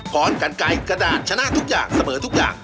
กันไกลกระดาษชนะทุกอย่างเสมอทุกอย่าง